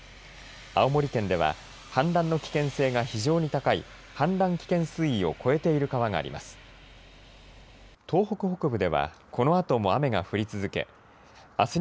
青森県では氾濫の危険性が非常に高い氾濫危険水位を超えている川があります。